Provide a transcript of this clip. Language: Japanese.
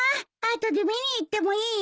後で見に行ってもいい？